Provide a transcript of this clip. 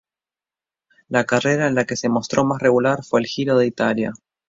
La carrera en la que se mostró más regular fue el Giro de Italia.